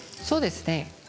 そうですね。